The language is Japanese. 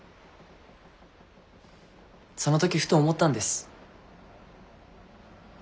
その時ふと思ったんです。